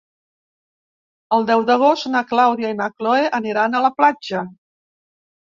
El deu d'agost na Clàudia i na Cloè aniran a la platja.